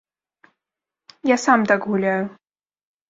Я сам так гуляю.